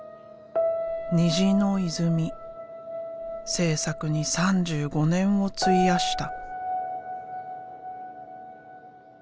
制作に３５年を費やした。